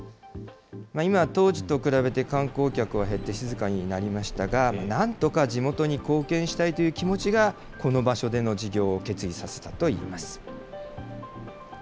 今は当時と比べて、観光客は減って静かになりましたが、なんとか地元に貢献したいという気持ちが、この場所での事業を決意させたといいます。